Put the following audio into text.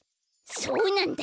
そうなんだ！